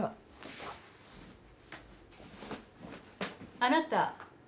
あなた。